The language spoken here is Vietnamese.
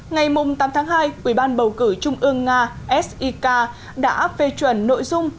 ngày tám tháng hai ủy ban bầu cử trung ương nga sik đã phê chuẩn nội dung